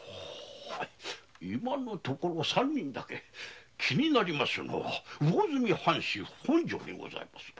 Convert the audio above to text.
今のところ気になりますのは魚住藩主本庄にございます。